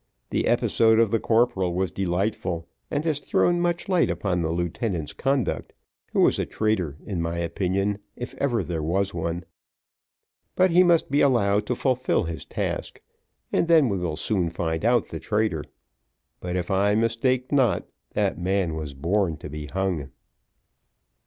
The episode of the corporal was delightful, and has thrown much light upon the lieutenant's conduct, who is a traitor in my opinion, if ever there was one; but he must be allowed to fulfil his task, and then we will soon find out the traitor; but if I mistake not, that man was born to be hung."